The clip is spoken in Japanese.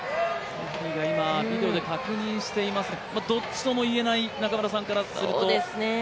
今、ビデオで確認していますが、どっちとも言えない、中村さんからすると？